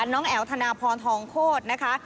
น้องแอ๋วธนาพรทองโคตรนะคะ